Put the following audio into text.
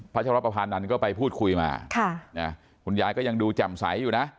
พัชรวรรณประพานนั้นก็ไปพูดคุยมาค่ะเนี่ยคุณยายก็ยังดูจำใสอยู่นะ